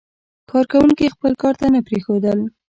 کارکوونکي خپل کار ته نه پرېښودل.